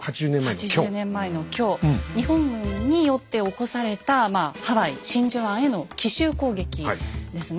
８０年前の今日日本軍によって起こされたハワイ真珠湾への奇襲攻撃ですね。